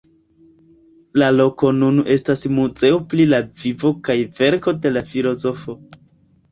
La loko nun estas muzeo pri la vivo kaj verko de la filozofo.